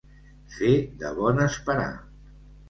Fer de bon esperar.